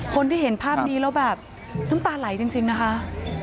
คนที่เห็นภาพนี้แล้วแบบน้ำตาไหลจริงนะคะ